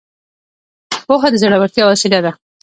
پوهه د زړورتيا وسيله ده.